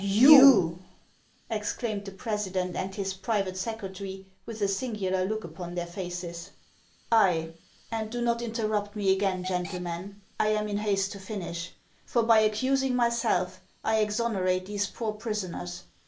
" You !" exclaimed the president and his private secre tary, with a singular look upon their faces. "I ! and do not interrupt me again, gentlemen. I am in haste to finish ; for by accusing myself I exonerate these poor prisoners.